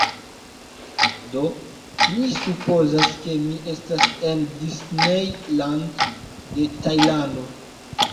Do, mi supozas, ke mi estas en la Disney Land de Tajlando